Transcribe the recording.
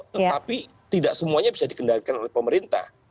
tetapi tidak semuanya bisa dikendalikan oleh pemerintah